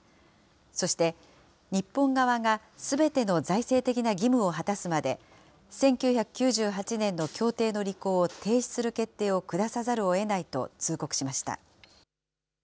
そして、日本側がすべての財政的な義務を果たすまで、１９９８年の協定の履行を停止する決定を下さざるをえないと通告しました。